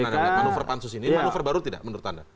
bagaimana manuver pansus ini manuver baru tidak menurut anda